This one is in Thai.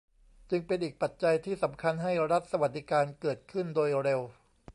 จึงเป็นอีกปัจจัยที่สำคัญให้รัฐสวัสดิการเกิดขึ้นโดยเร็ว